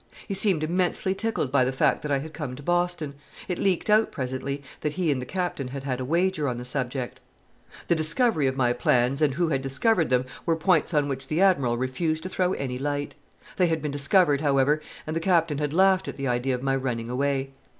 He seemed immensely tickled by the fact that I had come to Boston. It leaked out presently that he and the Captain had had a wager on the subject. The discovery of my plans and who had discovered them were points on which the Admiral refused to throw any light. They had been discovered, however, and the Captain had laughed at the idea of my running away.